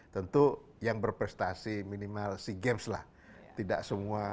tentu yang berprestasi minimal si gems lah tidak semua